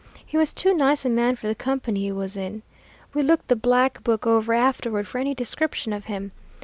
He was too nice a man for the company he was in. We looked the 'Black Book' over afterward for any description of him.